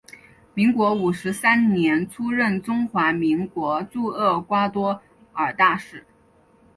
民国五十三年出任中华民国驻厄瓜多尔大使。